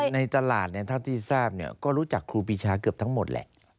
ในตลาดเท่าที่ทราบก็รู้จักครูปีชาเกือบทั้งหมดแหละ